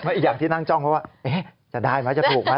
อีกอย่างที่นั่งจ้องเขาว่าจะได้ไหมจะถูกไหม